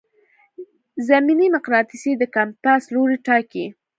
زمیني مقناطیس د کمپاس لوری ټاکي.